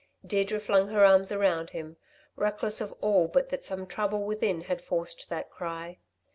Deirdre flung her arms about him, reckless of all but that some trouble within had forced that cry.